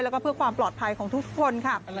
แล้วก็เพื่อความปลอดภัยของทุกคนค่ะ